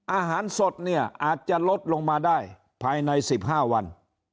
อาหารสดเนี่ยอาจจะลดลงมาได้ภายใน๑๕วัน